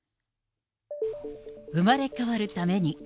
生まれ変わるために。